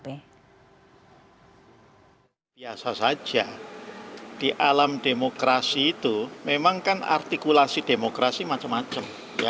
biasa saja di alam demokrasi itu memang kan artikulasi demokrasi macam macam